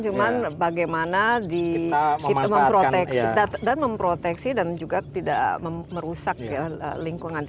cuman bagaimana kita memproteksi dan juga tidak merusak lingkungan